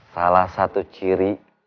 salah satu ciri